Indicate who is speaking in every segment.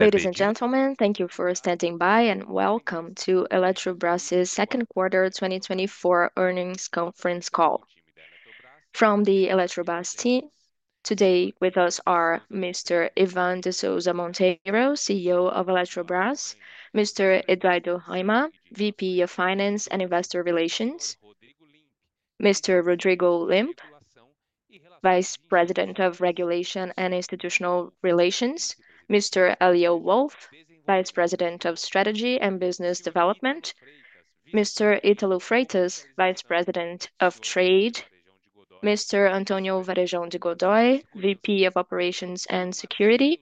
Speaker 1: Ladies and gentlemen, thank you for standing by, and welcome to Eletrobras' second quarter 2024 earnings conference call. From the Eletrobras team, today with us are Mr. Ivan de Souza Monteiro, CEO of Eletrobras; Mr. Eduardo Haiama, VP of Finance and Investor Relations; Mr. Rodrigo Limp, Vice President of Regulation and Institutional Relations; Mr. Élio Wolff, Vice President of Strategy and Business Development; Mr. Ítalo Freitas, Vice President of Trade; Mr. Antônio Varejão de Godoy, VP of Operations and Security;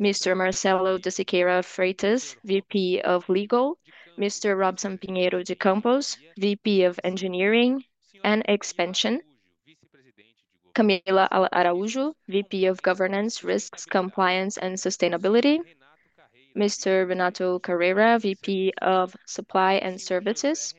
Speaker 1: Mr. Marcelo de Siqueira Freitas, VP of Legal; Mr. Robson Pinheiro de Campos, VP of Engineering and Expansion; Camila Araújo, VP of Governance, Risks, Compliance, and Sustainability; Mr. Renato Carreira, VP of Supply and Services;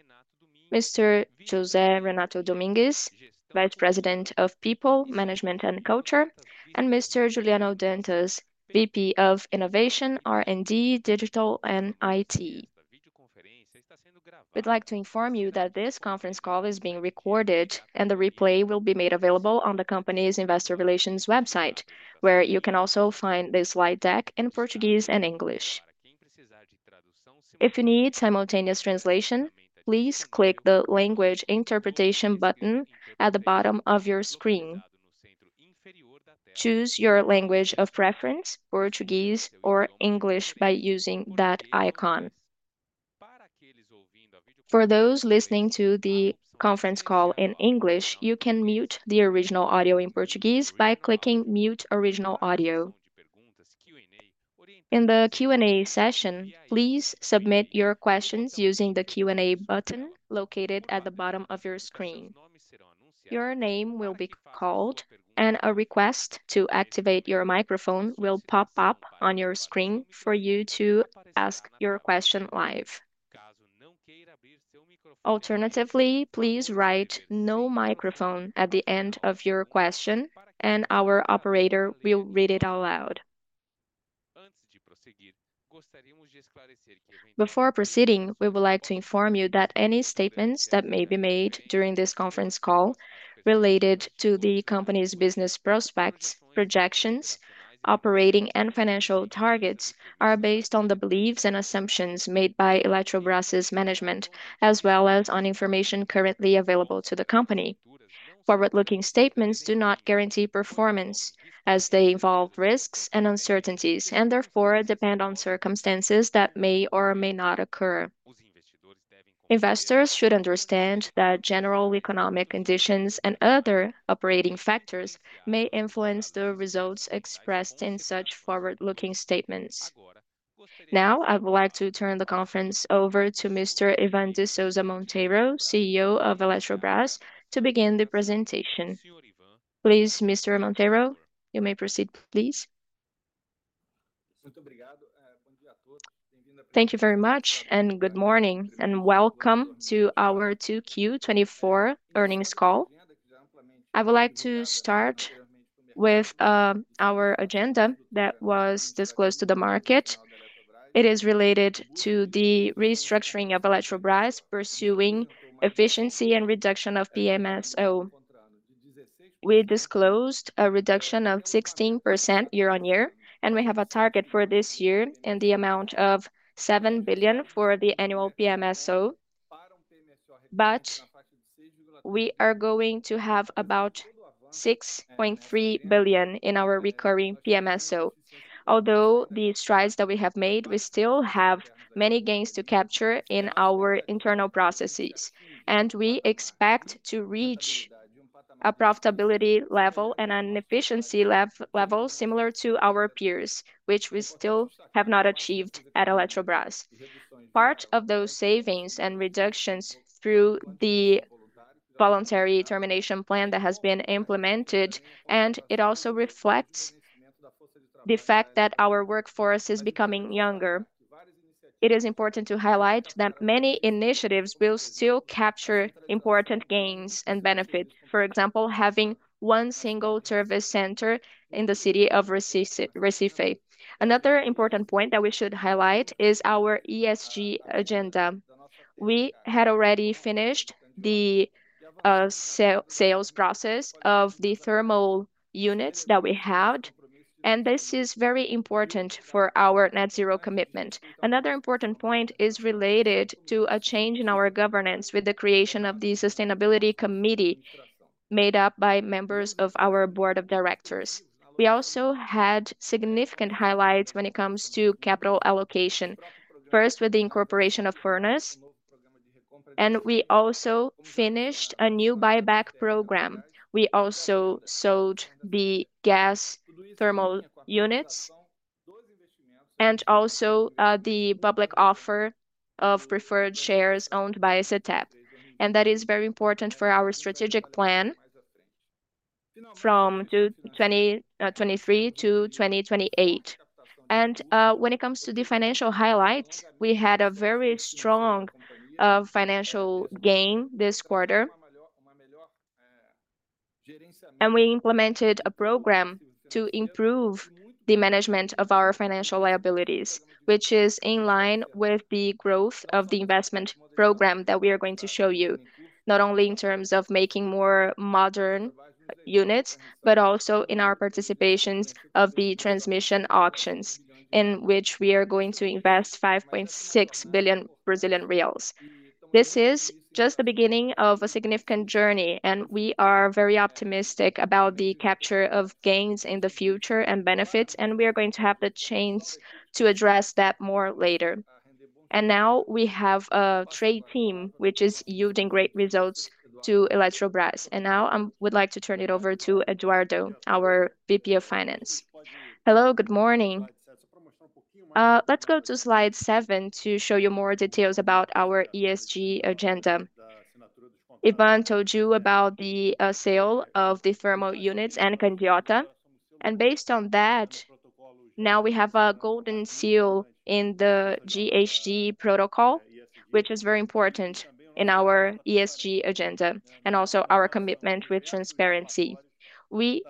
Speaker 1: Mr. José Renato Domingues, Vice President of People, Management, and Culture; and Mr. Juliano Dantas, VP of Innovation, R&D, Digital, and IT. We'd like to inform you that this conference call is being recorded, and the replay will be made available on the company's investor relations website, where you can also find the slide deck in Portuguese and English. If you need simultaneous translation, please click the Language Interpretation button at the bottom of your screen. Choose your language of preference, Portuguese or English, by using that icon. For those listening to the conference call in English, you can mute the original audio in Portuguese by clicking Mute Original Audio. In the Q&A session, please submit your questions using the Q&A button located at the bottom of your screen. Your name will be called, and a request to activate your microphone will pop up on your screen for you to ask your question live. Alternatively, please write "No Microphone" at the end of your question, and our operator will read it out loud. Before proceeding, we would like to inform you that any statements that may be made during this conference call related to the company's business prospects, projections, operating and financial targets, are based on the beliefs and assumptions made by Eletrobras' management, as well as on information currently available to the company. Forward-looking statements do not guarantee performance, as they involve risks and uncertainties, and therefore depend on circumstances that may or may not occur. Investors should understand that general economic conditions and other operating factors may influence the results expressed in such forward-looking statements. Now, I would like to turn the conference over to Mr. Ivan de Souza Monteiro, CEO of Eletrobras, to begin the presentation. Please, Mr. Monteiro, you may proceed, please.
Speaker 2: Thank you very much, and good morning, and welcome to our 2Q 2024 earnings call. I would like to start with our agenda that was disclosed to the market. It is related to the restructuring of Eletrobras, pursuing efficiency and reduction of PMSO. We disclosed a reduction of 16% year-on-year, and we have a target for this year in the amount of 7 billion for the annual PMSO, but we are going to have about 6.3 billion in our recurring PMSO. Although the strides that we have made, we still have many gains to capture in our internal processes, and we expect to reach a profitability level and an efficiency level similar to our peers, which we still have not achieved at Eletrobras. Part of those savings and reductions through the voluntary termination plan that has been implemented, and it also reflects the fact that our workforce is becoming younger. It is important to highlight that many initiatives will still capture important gains and benefits, for example, having one single service center in the city of Recife. Another important point that we should highlight is our ESG agenda. We had already finished the sales process of the thermal units that we had, and this is very important for our net zero commitment. Another important point is related to a change in our governance with the creation of the sustainability committee, made up by members of our board of directors. We also had significant highlights when it comes to capital allocation, first, with the incorporation of Furnas, and we also finished a new buyback program. We also sold the gas thermal units and also, the public offer of preferred shares owned by CTEEP, and that is very important for our strategic plan from 2023 to 2028. When it comes to the financial highlights, we had a very strong financial gain this quarter. We implemented a program to improve the management of our financial liabilities, which is in line with the growth of the investment program that we are going to show you, not only in terms of making more modern units, but also in our participations of the transmission auctions, in which we are going to invest 5.6 billion Brazilian reais. This is just the beginning of a significant journey, and we are very optimistic about the capture of gains in the future and benefits, and we are going to have the chance to address that more later. And now we have a trade team, which is yielding great results to Eletrobras. And now, we'd like to turn it over to Eduardo, our VP of Finance. Hello, good morning. Let's go to slide 7 to show you more details about our ESG agenda. Ivan told you about the sale of the thermal units and Candiota, and based on that, now we have a golden seal in the GHG Protocol, which is very important in our ESG agenda and also our commitment with transparency. We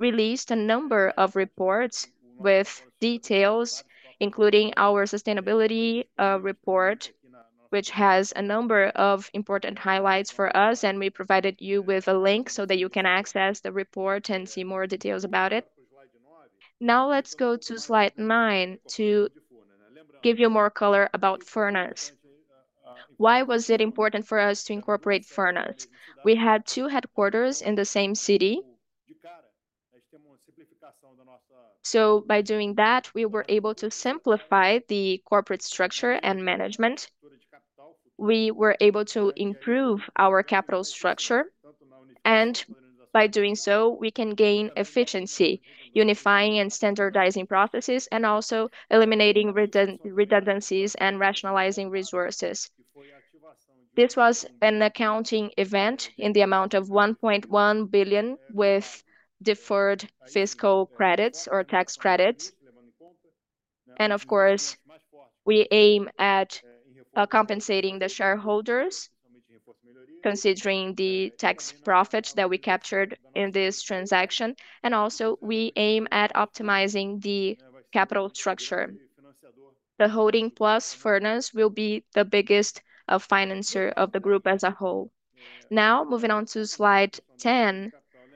Speaker 2: released a number of reports with details, including our sustainability report, which has a number of important highlights for us, and we provided you with a link so that you can access the report and see more details about it. Now, let's go to slide 9 to give you more color about Furnas. Why was it important for us to incorporate Furnas? We had two headquarters in the same city, so by doing that, we were able to simplify the corporate structure and management. We were able to improve our capital structure, and by doing so, we can gain efficiency, unifying and standardizing processes, and also eliminating redundancies and rationalizing resources. This was an accounting event in the amount of 1.1 billion, with deferred fiscal credits or tax credits. And of course, we aim at compensating the shareholders, considering the tax profits that we captured in this transaction, and also, we aim at optimizing the capital structure. The holding plus Furnas will be the biggest financier of the group as a whole. Now, moving on to slide 10,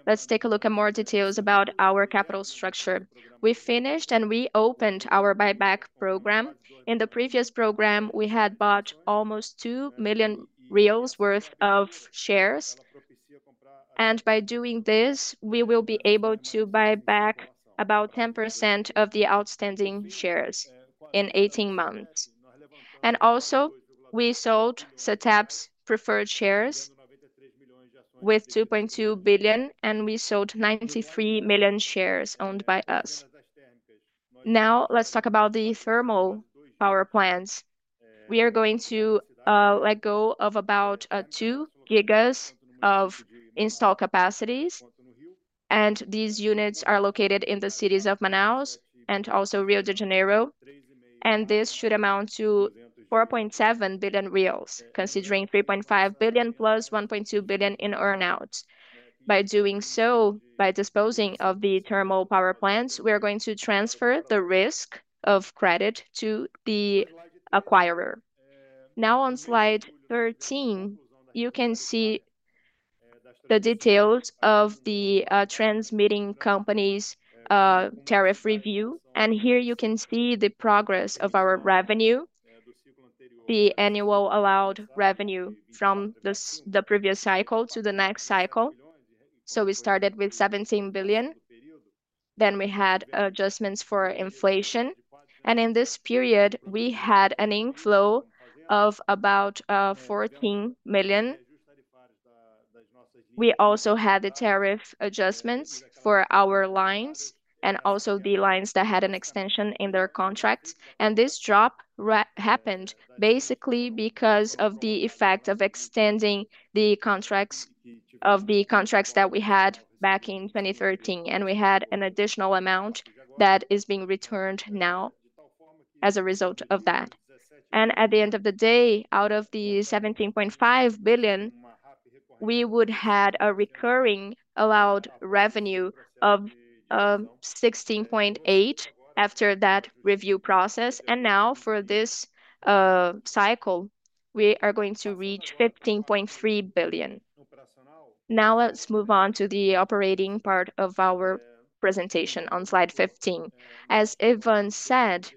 Speaker 2: let's take a look at more details about our capital structure. We finished and we opened our buyback program. In the previous program, we had bought almost 2 billion reais worth of shares, and by doing this, we will be able to buy back about 10% of the outstanding shares in 18 months. And also, we sold CTEEP's preferred shares with 2.2 billion, and we sold 93 million shares owned by us. Now, let's talk about the thermal power plants. We are going to let go of about 2 gigas of installed capacity, and these units are located in the cities of Manaus and also Rio de Janeiro, and this should amount to 4.7 billion reais, considering 3.5 billion+ 1.2 billion in earn-out. By doing so, by disposing of the thermal power plants, we are going to transfer the risk of credit to the acquirer. Now, on slide 13, you can see the details of the transmitting company's tariff review, and here you can see the progress of our revenue, the annual allowed revenue from the previous cycle to the next cycle. We started with 17 billion, then we had adjustments for inflation, and in this period, we had an inflow of about 14 million. We also had the tariff adjustments for our lines and also the lines that had an extension in their contracts. This drop happened basically because of the effect of extending the contracts, of the contracts that we had back in 2013, and we had an additional amount that is being returned now as a result of that. At the end of the day, out of the 17.5 billion, we would had a recurring allowed revenue of 16.8 billion after that review process, and now for this cycle, we are going to reach 15.3 billion. Now, let's move on to the operating part of our presentation on slide 15. As Ivan said,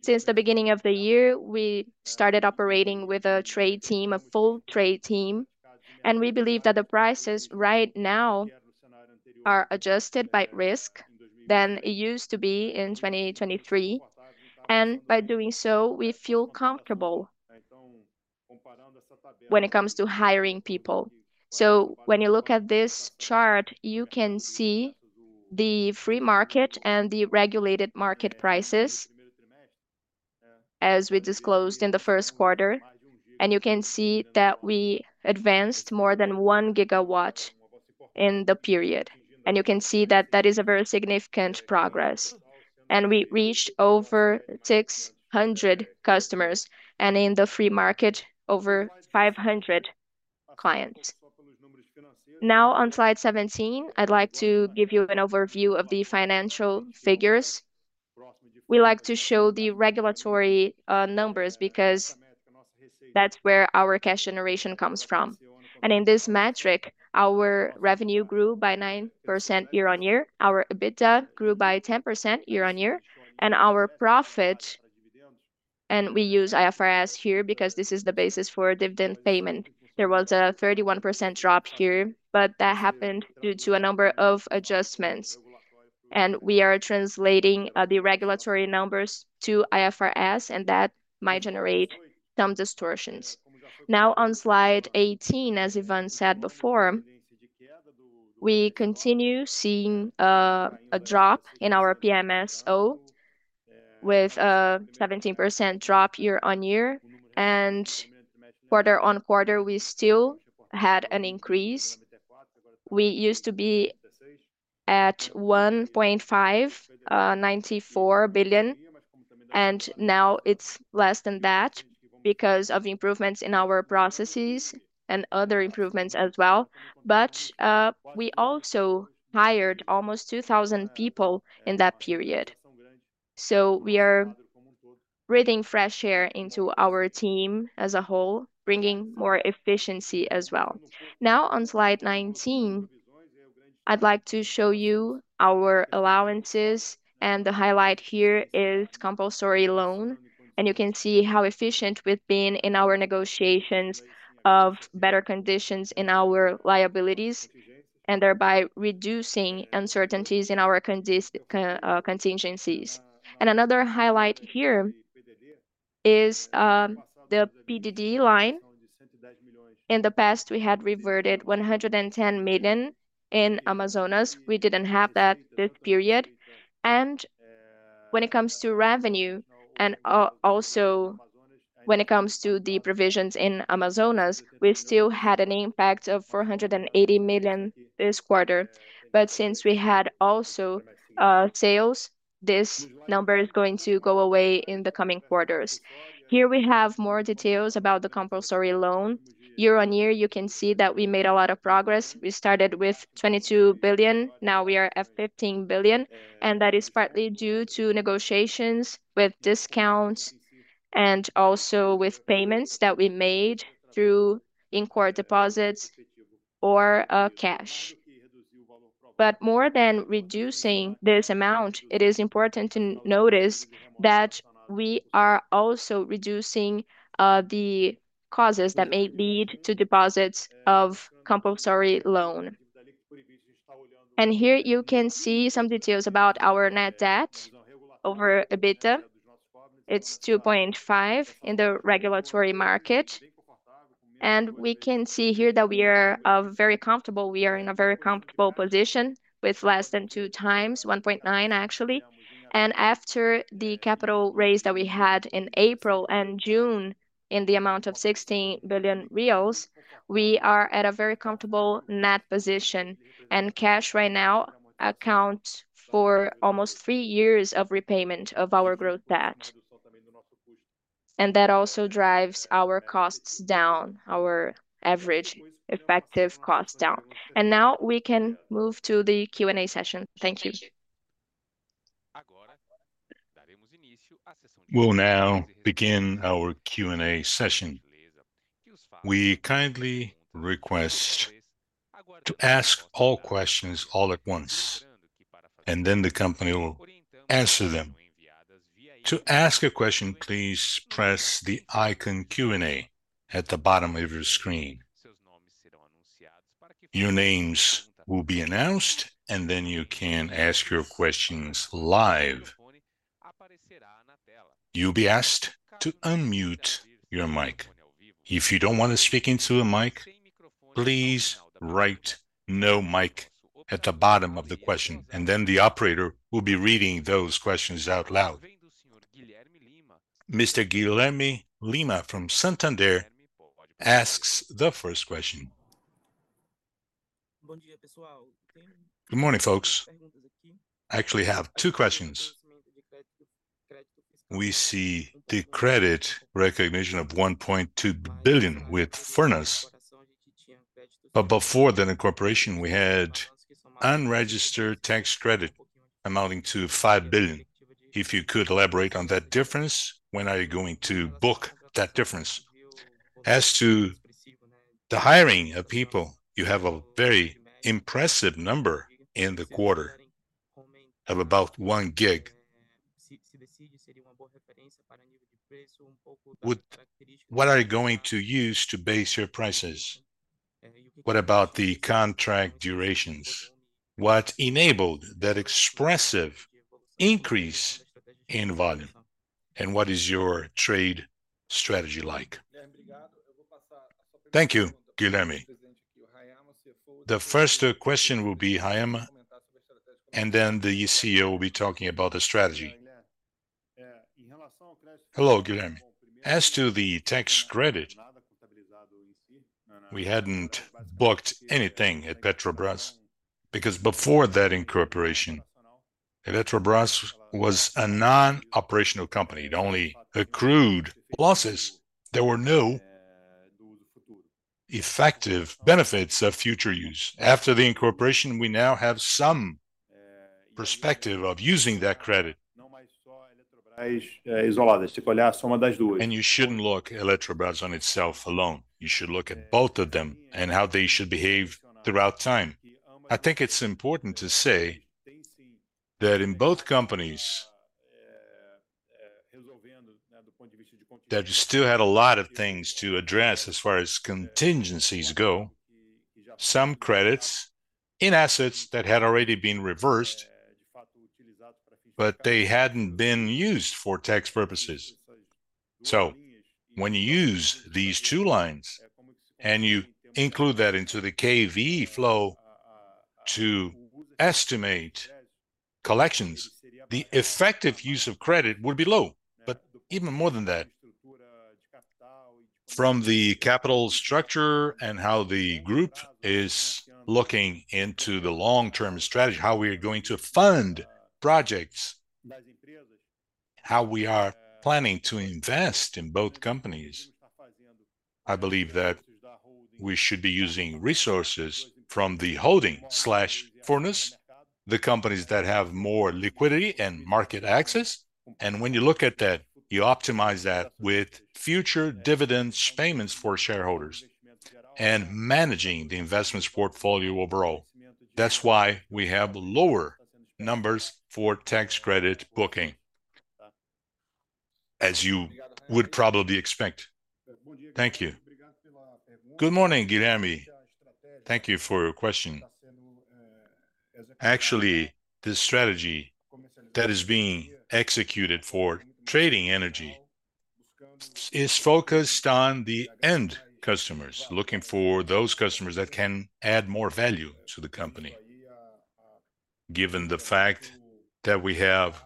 Speaker 2: since the beginning of the year, we started operating with a trade team, a full trade team, and we believe that the prices right now are adjusted by risk than it used to be in 2023. By doing so, we feel comfortable when it comes to hiring people. So when you look at this chart, you can see the free market and the regulated market prices as we disclosed in the first quarter, and you can see that we advanced more than 1 GW in the period. And you can see that that is a very significant progress. And we reached over 600 customers, and in the free market, over 500 clients.... Now, on slide 17, I'd like to give you an overview of the financial figures. We like to show the regulatory numbers because that's where our cash generation comes from. In this metric, our revenue grew by 9% year-on-year, our EBITDA grew by 10% year-on-year, and our profit, and we use IFRS here because this is the basis for dividend payment. There was a 31% drop here, but that happened due to a number of adjustments, and we are translating the regulatory numbers to IFRS, and that might generate some distortions. Now, on Slide 18, as Ivan said before, we continue seeing a drop in our PMSO with a 17% drop year-on-year, and quarter-on-quarter we still had an increase. We used to be at 1.594 billion, and now it's less than that because of improvements in our processes and other improvements as well. But we also hired almost 2,000 people in that period. So we are breathing fresh air into our team as a whole, bringing more efficiency as well. Now, on Slide 19, I'd like to show you our allowances, and the highlight here is Compulsory Loan. You can see how efficient we've been in our negotiations of better conditions in our liabilities, and thereby reducing uncertainties in our contingencies. Another highlight here is the PDD line. In the past we had reverted 110 million in Amazonas. We didn't have that this period. When it comes to revenue, and also when it comes to the provisions in Amazonas, we still had an impact of 480 million this quarter. But since we had also sales, this number is going to go away in the coming quarters. Here we have more details about the Compulsory Loan. Year-on-year, you can see that we made a lot of progress. We started with 22 billion, now we are at 15 billion, and that is partly due to negotiations with discounts and also with payments that we made through in-court deposits or cash. But more than reducing this amount, it is important to notice that we are also reducing the causes that may lead to deposits of compulsory loan. And here you can see some details about our net debt over EBITDA. It's 2.5 in the regulatory market, and we can see here that we are very comfortable. We are in a very comfortable position with less than 2 times, 1.9, actually. After the capital raise that we had in April and June, in the amount of 16 billion reais, we are at a very comfortable net position, and cash right now account for almost three years of repayment of our growth debt. That also drives our costs down, our average effective cost down. Now we can move to the Q&A session. Thank you.
Speaker 3: We'll now begin our Q&A session. We kindly request to ask all questions all at once, and then the company will answer them. To ask a question, please press the icon Q&A at the bottom of your screen. Your names will be announced, and then you can ask your questions live. You'll be asked to unmute your mic. If you don't want to speak into a mic, please write, "No mic," at the bottom of the question, and then the operator will be reading those questions out loud. Mr. Guilherme Lima from Santander asks the first question. Good morning, folks. I actually have two questions. We see the credit recognition of 1.2 billion with Furnas, but before that incorporation, we had unregistered tax credit amounting to 5 billion. If you could elaborate on that difference, when are you going to book that difference? As to the hiring of people, you have a very impressive number in the quarter of about 1 gig. Would. What are you going to use to base your prices? What about the contract durations? What enabled that expressive increase in volume, and what is your trade strategy like?
Speaker 1: Thank you, Guilherme. The first question will be Haiama, and then the CEO will be talking about the strategy.
Speaker 3: Hello, Guilherme. As to the tax credit, we hadn't booked anything at Eletrobras, because before that incorporation- Eletrobras was a non-operational company. It only accrued losses. There were no effective benefits of future use. After the incorporation, we now have some perspective of using that credit. And you shouldn't look Eletrobras on itself alone, you should look at both of them and how they should behave throughout time. I think it's important to say that in both companies, that still had a lot of things to address as far as contingencies go, some credits in assets that had already been reversed, but they hadn't been used for tax purposes. So when you use these two lines, and you include that into the KV flow to estimate collections, the effective use of credit would be low. But even more than that, from the capital structure and how the group is looking into the long-term strategy, how we're going to fund projects, how we are planning to invest in both companies, I believe that we should be using resources from the holding/Furnas, the companies that have more liquidity and market access. And when you look at that, you optimize that with future dividends payments for shareholders and managing the investments portfolio overall. That's why we have lower numbers for tax credit booking, as you would probably expect.
Speaker 4: Thank you.
Speaker 2: Good morning, Guilherme. Thank you for your question. Actually, this strategy that is being executed for trading energy is focused on the end customers, looking for those customers that can add more value to the company. Given the fact that we have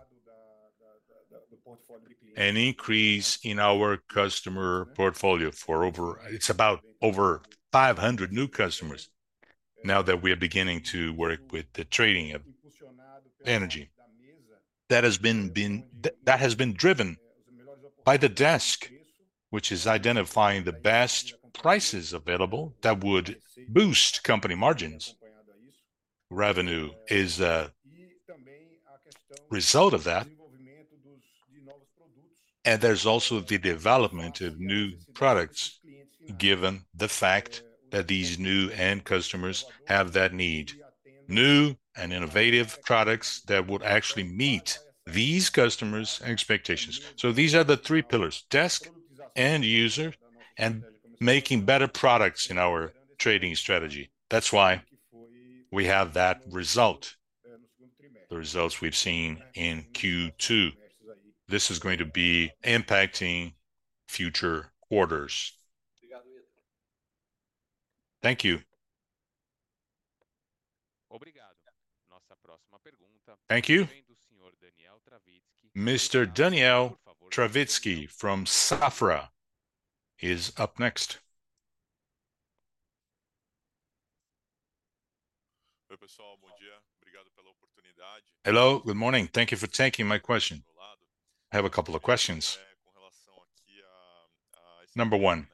Speaker 2: an increase in our customer portfolio for over... It's about over 500 new customers, now that we are beginning to work with the trading of energy. That has been driven by the desk, which is identifying the best prices available that would boost company margins. Revenue is a result of that, and there's also the development of new products, given the fact that these new end customers have that need. New and innovative products that would actually meet these customers' expectations. So these are the three pillars: desk, end user, and making better products in our trading strategy. That's why we have that result, the results we've seen in Q2. This is going to be impacting future orders.
Speaker 4: Thank you.
Speaker 1: Thank you. Mr. Daniel Travitzky from Safra is up next. Hello, good morning. Thank you for taking my question. I have a couple of questions.
Speaker 3: Number one,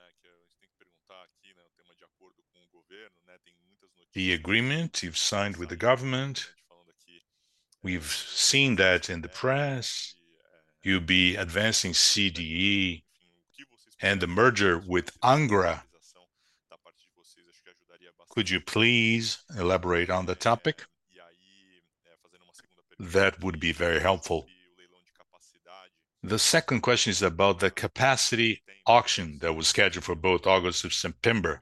Speaker 3: the agreement you've signed with the government, we've seen that in the press, you'll be advancing CDE and the merger with Angra. Could you please elaborate on the topic? That would be very helpful. The second question is about the capacity auction that was scheduled for both August and September.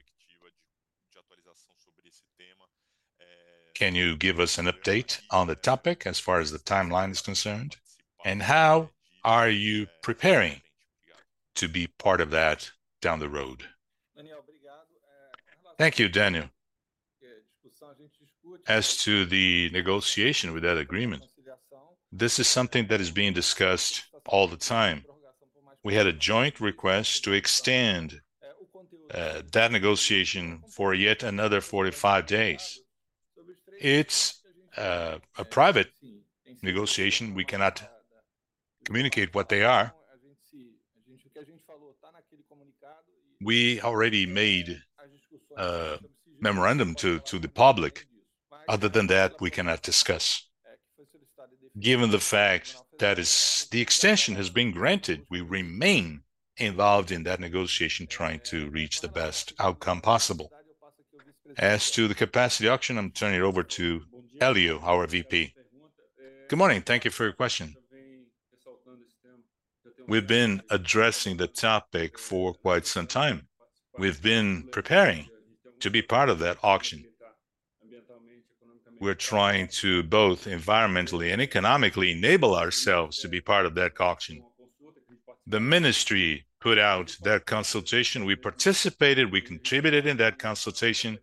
Speaker 3: Can you give us an update on the topic as far as the timeline is concerned, and how are you preparing to be part of that down the road?
Speaker 2: Thank you, Daniel. As to the negotiation with that agreement, this is something that is being discussed all the time. We had a joint request to extend that negotiation for yet another 45 days. It's a private negotiation, we cannot communicate what they are. We already made a memorandum to the public. Other than that, we cannot discuss. Given the fact that the extension has been granted, we remain involved in that negotiation, trying to reach the best outcome possible. As to the capacity auction, I'm turning it over to Élio, our VP.
Speaker 5: Good morning, and thank you for your question. We've been addressing the topic for quite some time. We've been preparing to be part of that auction. We're trying to, both environmentally and economically, enable ourselves to be part of that auction. The ministry put out that consultation. We participated, we contributed in that consultation,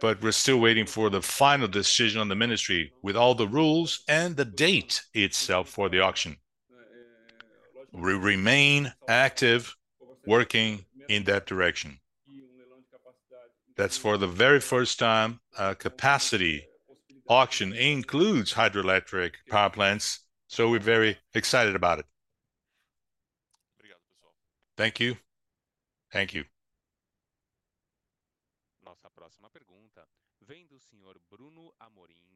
Speaker 5: but we're still waiting for the final decision on the ministry, with all the rules and the date itself for the auction. We remain active, working in that direction. That's for the very first time, a capacity auction includes hydroelectric power plants, so we're very excited about it.
Speaker 6: Thank you.
Speaker 5: Thank you.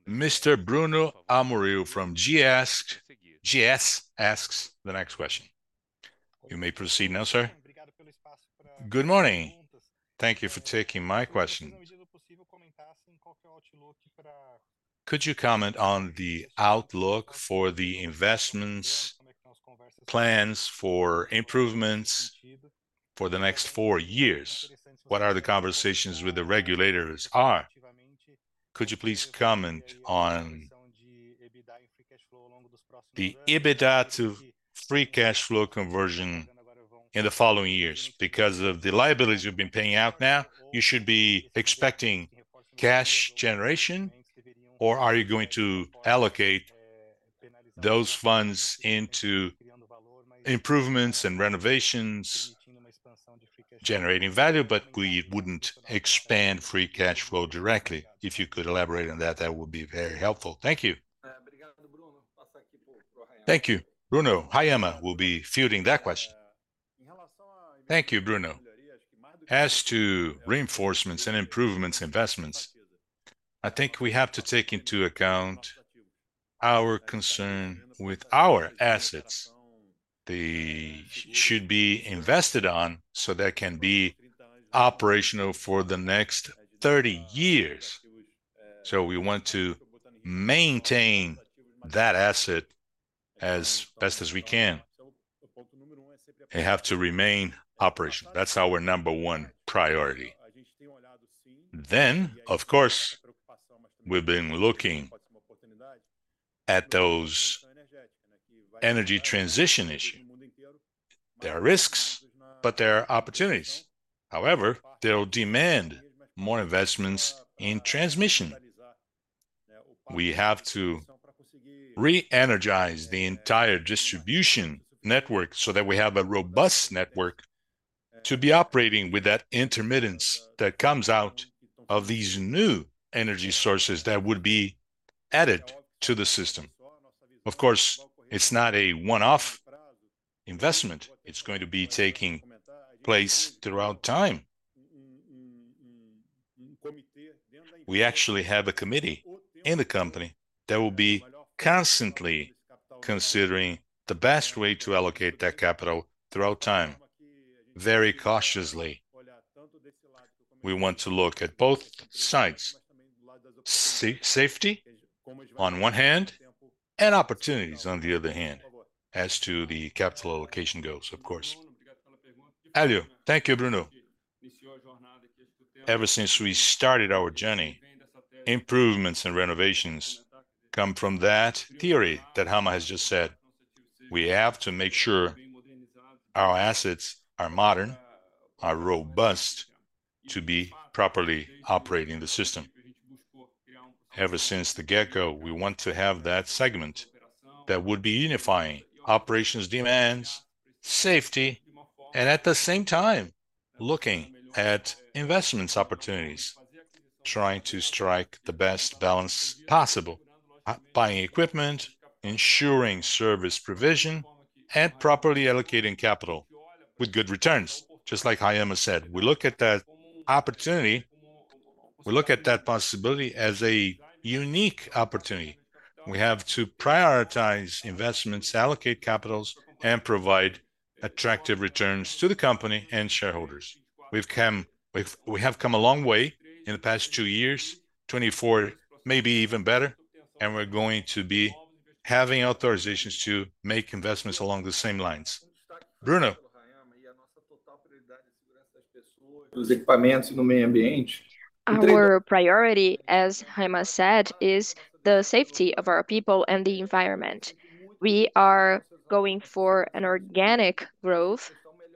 Speaker 1: Mr. Bruno Amorim from GS, GS asks the next question. You may proceed now, sir.
Speaker 7: Good morning. Thank you for taking my question. Could you comment on the outlook for the investments plans for improvements for the next four years? What are the conversations with the regulators are? Could you please comment on the EBITDA to free cash flow conversion in the following years? Because of the liabilities you've been paying out now, you should be expecting cash generation, or are you going to allocate those funds into improvements and renovations, generating value, but we wouldn't expand free cash flow directly? If you could elaborate on that, that would be very helpful. Thank you.
Speaker 2: Thank you, Bruno. Haiama will be fielding that question.
Speaker 3: Thank you, Bruno. As to reinforcements and improvements, investments, I think we have to take into account our concern with our assets. They should be invested on, so they can be operational for the next 30 years. So we want to maintain that asset as best as we can. They have to remain operational. That's our number 1 priority. Then, of course, we've been looking at those energy transition issue. There are risks, but there are opportunities. However, they'll demand more investments in transmission. We have to re-energize the entire distribution network so that we have a robust network to be operating with that intermittence that comes out of these new energy sources that would be added to the system. Of course, it's not a one-off investment. It's going to be taking place throughout time. We actually have a committee in the company that will be constantly considering the best way to allocate that capital throughout time, very cautiously. We want to look at both sides: safety on one hand, and opportunities on the other hand, as to the capital allocation goes, of course.
Speaker 2: Thank you, Bruno. Ever since we started our journey, improvements and renovations come from that theory that Haiama has just said. We have to make sure our assets are modern, are robust, to be properly operating the system. Ever since the get-go, we want to have that segment that would be unifying operations demands, safety, and at the same time, looking at investments opportunities, trying to strike the best balance possible, buying equipment, ensuring service provision, and properly allocating capital with good returns. Just like Haiama said, we look at that opportunity. We look at that possibility as a unique opportunity. We have to prioritize investments, allocate capitals, and provide attractive returns to the company and shareholders. We've come a long way in the past two years. 2024 may be even better, and we're going to be having authorizations to make investments along the same lines. Bruno? Our priority, as Haiama said, is the safety of our people and the environment. We are going for an organic growth.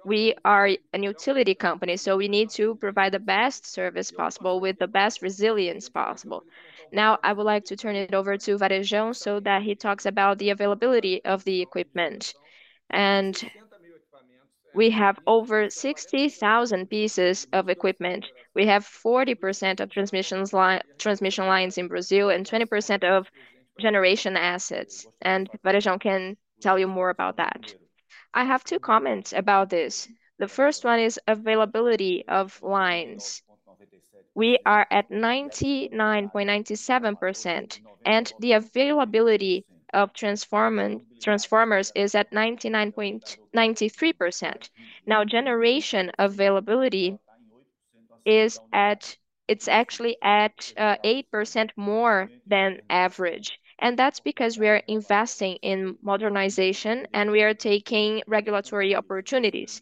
Speaker 2: We are a utility company, so we need to provide the best service possible with the best resilience possible. Now, I would like to turn it over to Varejão, so that he talks about the availability of the equipment. We have over 60,000 pieces of equipment. We have 40% of transmission lines in Brazil and 20% of generation assets, and Varejão can tell you more about that.
Speaker 8: I have two comments about this. The first one is availability of lines. We are at 99.97%, and the availability of transformers is at 99.93%. Now, generation availability is at... It's actually at 8% more than average, and that's because we are investing in modernization, and we are taking regulatory opportunities.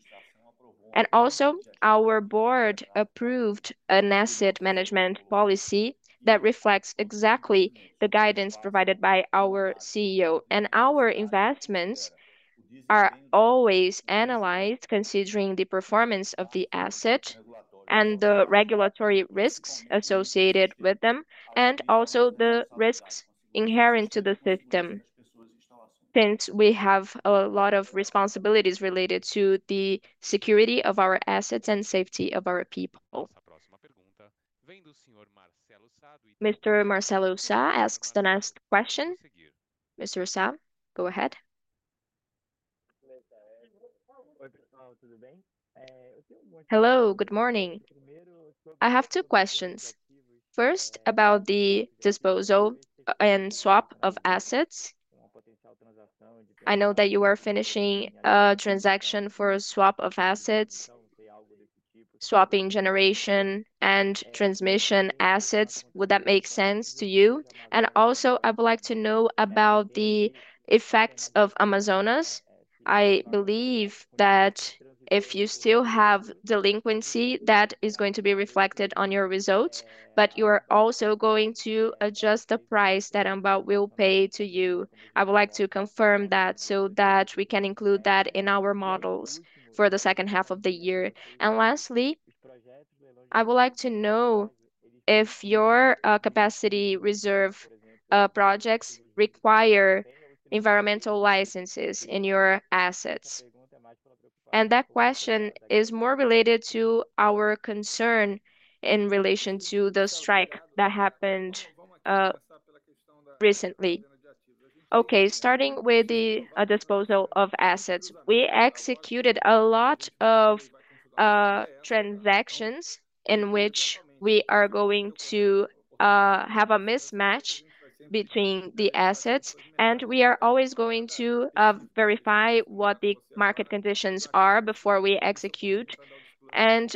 Speaker 8: And also, our board approved an asset management policy that reflects exactly the guidance provided by our CEO. And our investments are always analyzed, considering the performance of the asset and the regulatory risks associated with them, and also the risks inherent to the system. Since we have a lot of responsibilities related to the security of our assets and safety of our people.
Speaker 1: Mr. Marcelo Sá asks the next question. Mr. Sá, go ahead.
Speaker 9: Hello, good morning. I have two questions. First, about the disposal and swap of assets. I know that you are finishing a transaction for a swap of assets, swapping generation and transmission assets. Would that make sense to you? And also, I would like to know about the effects of Amazonas. I believe that if you still have delinquency, that is going to be reflected on your results, but you are also going to adjust the price that Âmbar will pay to you. I would like to confirm that, so that we can include that in our models for the second half of the year. And lastly, I would like to know if your capacity reserve projects require environmental licenses in your assets. And that question is more related to our concern in relation to the strike that happened recently.
Speaker 2: Okay, starting with the disposal of assets. We executed a lot of transactions in which we are going to have a mismatch between the assets, and we are always going to verify what the market conditions are before we execute. And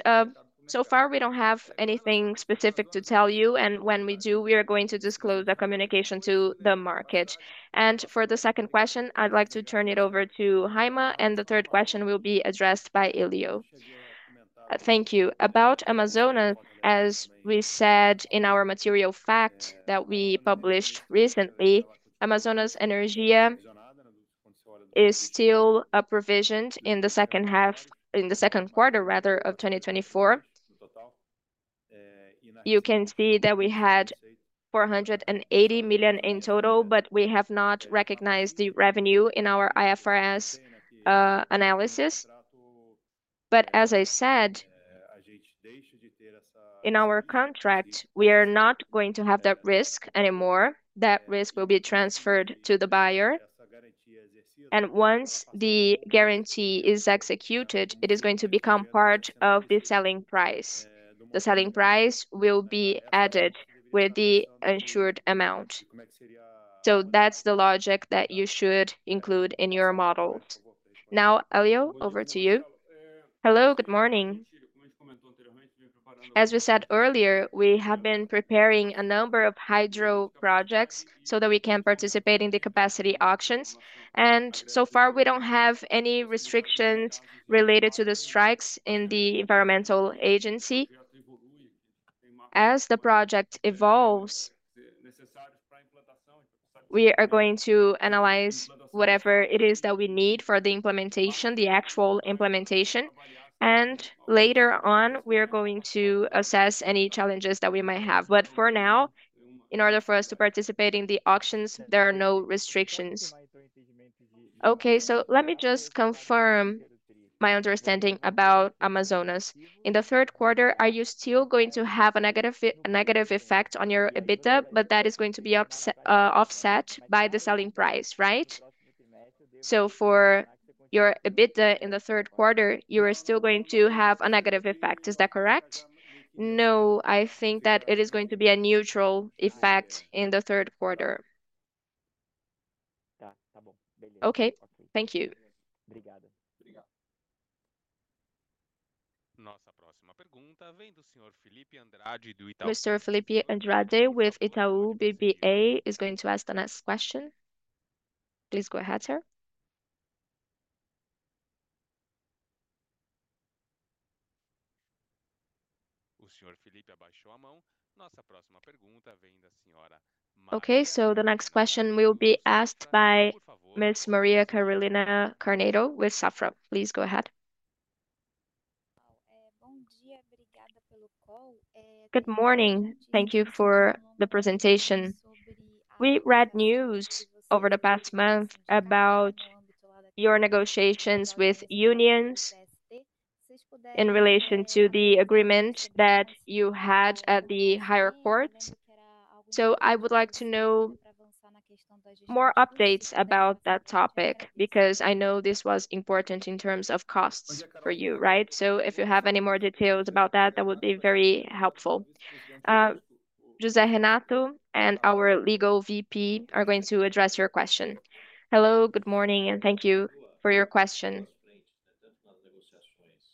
Speaker 2: so far, we don't have anything specific to tell you, and when we do, we are going to disclose the communication to the market. And for the second question, I'd like to turn it over to Haiama, and the third question will be addressed by Élio.
Speaker 3: Thank you. About Amazonas, as we said in our material fact that we published recently, Amazonas Energia is still provisioned in the second quarter, rather, of 2024. You can see that we had 480 million in total, but we have not recognized the revenue in our IFRS analysis. But as I said, in our contract, we are not going to have that risk anymore. That risk will be transferred to the buyer, and once the guarantee is executed, it is going to become part of the selling price. The selling price will be added with the insured amount. So that's the logic that you should include in your models. Now, Élio, over to you.
Speaker 5: Hello, good morning. As we said earlier, we have been preparing a number of hydro projects so that we can participate in the capacity auctions, and so far, we don't have any restrictions related to the strikes in the environmental agency. As the project evolves, we are going to analyze whatever it is that we need for the implementation, the actual implementation, and later on, we are going to assess any challenges that we might have. But for now, in order for us to participate in the auctions, there are no restrictions.
Speaker 9: Okay, so let me just confirm my understanding about Amazonas. In the third quarter, are you still going to have a negative effect on your EBITDA, but that is going to be offset by the selling price, right? So for your EBITDA in the third quarter, you are still going to have a negative effect. Is that correct?
Speaker 5: No, I think that it is going to be a neutral effect in the third quarter.
Speaker 9: Okay, thank you.
Speaker 1: Mr. Fillipe Andrade with Itaú BBA is going to ask the next question. Please go ahead, sir. Okay, so the next question will be asked by Ms. Maria Carolina Carneiro with Safra. Please go ahead.
Speaker 10: Good morning. Thank you for the presentation. We read news over the past month about your negotiations with unions in relation to the agreement that you had at the higher court. So I would like to know more updates about that topic, because I know this was important in terms of costs for you, right? So if you have any more details about that, that would be very helpful.
Speaker 2: José Renato and our Legal VP are going to address your question.
Speaker 11: Hello, good morning, and thank you for your question.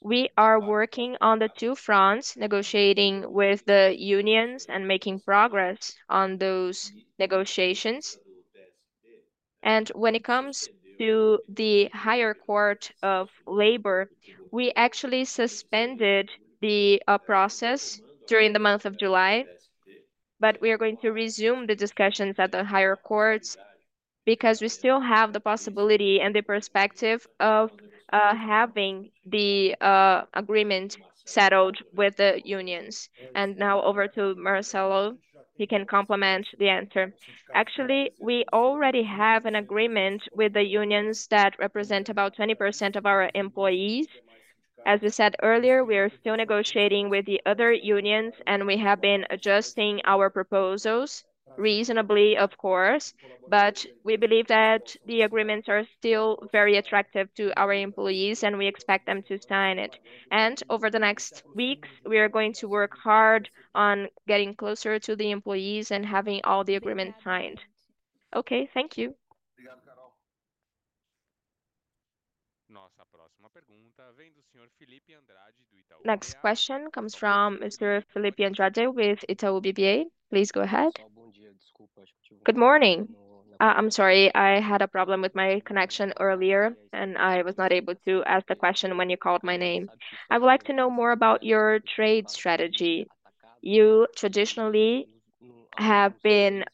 Speaker 11: We are working on the two fronts, negotiating with the unions and making progress on those negotiations. When it comes to the Higher Court of Labor, we actually suspended the process during the month of July, but we are going to resume the discussions at the higher courts, because we still have the possibility and the perspective of having the agreement settled with the unions. Now over to Marcelo, he can complement the answer.
Speaker 12: Actually, we already have an agreement with the unions that represent about 20% of our employees. As we said earlier, we are still negotiating with the other unions, and we have been adjusting our proposals, reasonably, of course. But we believe that the agreements are still very attractive to our employees, and we expect them to sign it. Over the next weeks, we are going to work hard on getting closer to the employees and having all the agreements signed.
Speaker 10: Okay, thank you.
Speaker 1: Next question comes from Mr. Felipe Andrade with Itaú BBA. Please go ahead.
Speaker 13: Good morning. I'm sorry, I had a problem with my connection earlier, and I was not able to ask the question when you called my name. I would like to know more about your trade strategy. You traditionally have been,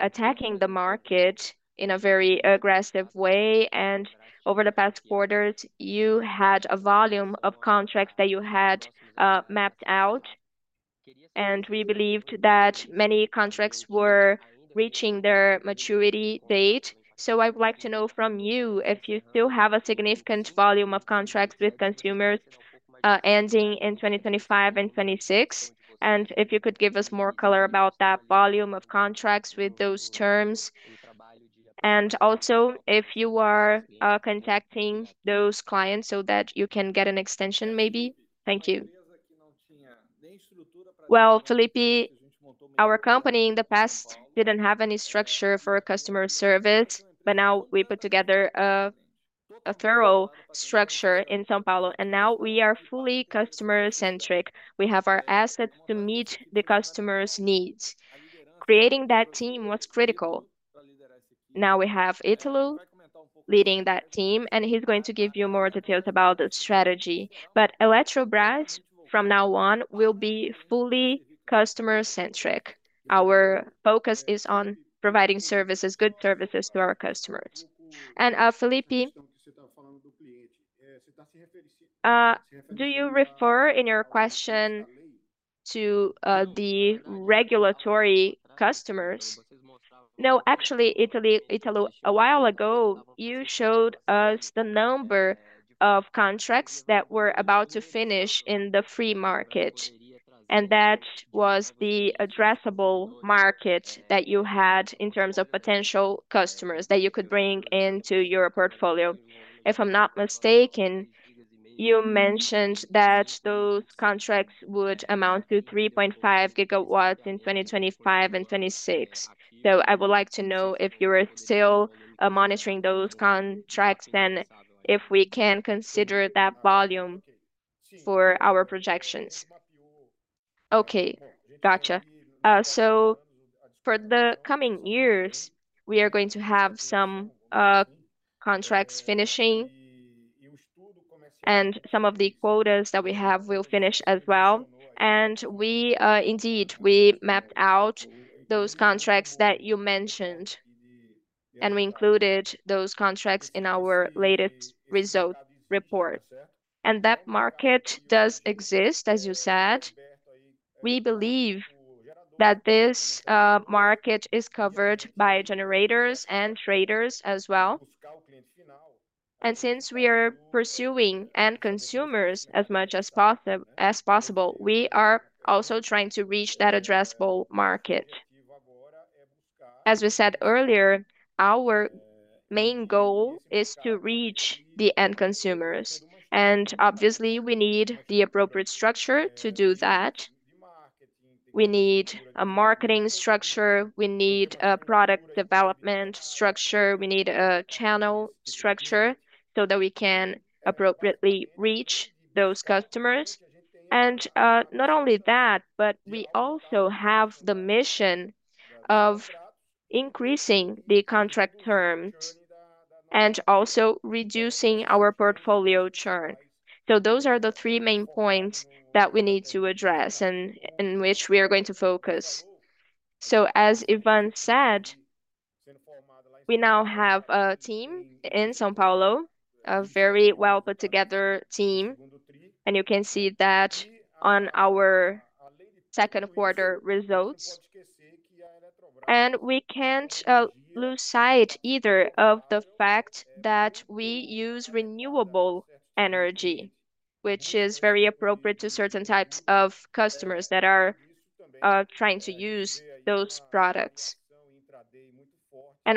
Speaker 13: attacking the market in a very aggressive way, and over the past quarters, you had a volume of contracts that you had, mapped out, and we believed that many contracts were reaching their maturity date. So I would like to know from you if you still have a significant volume of contracts with consumers, ending in 2025 and 2026, and if you could give us more color about that volume of contracts with those terms. And also, if you are contacting those clients so that you can get an extension, maybe. Thank you.
Speaker 2: Well, Felipe, our company in the past didn't have any structure for a customer service, but now we put together a thorough structure in São Paulo, and now we are fully customer-centric. We have our assets to meet the customer's needs. Creating that team was critical. Now we have Ítalo leading that team, and he's going to give you more details about the strategy. But Eletrobras, from now on, will be fully customer-centric. Our focus is on providing services, good services to our customers.
Speaker 3: And, Felipe, do you refer in your question to the regulatory customers?
Speaker 13: No, actually, Ítalo. Ítalo, a while ago, you showed us the number of contracts that were about to finish in the free market, and that was the addressable market that you had in terms of potential customers that you could bring into your portfolio. If I'm not mistaken, you mentioned that those contracts would amount to 3.5 GW in 2025 and 2026. So I would like to know if you are still monitoring those contracts, then if we can consider that volume for our projections.
Speaker 3: Okay, gotcha. So for the coming years, we are going to have some contracts finishing, and some of the quotas that we have will finish as well. And we indeed mapped out those contracts that you mentioned, and we included those contracts in our latest result report. And that market does exist, as you said. We believe that this market is covered by generators and traders as well. And since we are pursuing end consumers as much as possible, we are also trying to reach that addressable market. As we said earlier, our main goal is to reach the end consumers, and obviously, we need the appropriate structure to do that. We need a marketing structure. We need a product development structure. We need a channel structure, so that we can appropriately reach those customers. And not only that, but we also have the mission of increasing the contract terms and also reducing our portfolio churn. So those are the three main points that we need to address and which we are going to focus. So as Ivan said, we now have a team in São Paulo, a very well put together team, and you can see that on our second quarter results. We can't lose sight either of the fact that we use renewable energy, which is very appropriate to certain types of customers that are trying to use those products.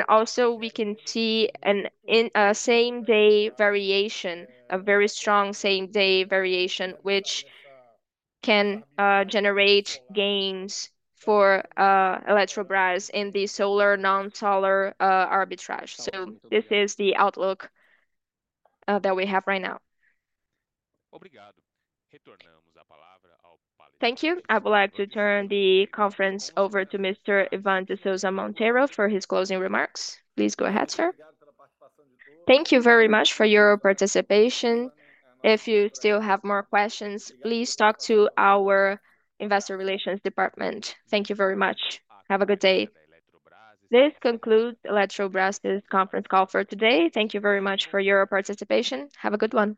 Speaker 3: Also, we can see an intra-day variation, a very strong intra-day variation, which can generate gains for Eletrobras in the solar, non-solar arbitrage. So this is the outlook that we have right now.
Speaker 1: Thank you. I would like to turn the conference over to Mr. Ivan de Souza Monteiro for his closing remarks. Please go ahead, sir.
Speaker 2: Thank you very much for your participation. If you still have more questions, please talk to our investor relations department. Thank you very much. Have a good day.
Speaker 1: This concludes Eletrobras' conference call for today. Thank you very much for your participation. Have a good one.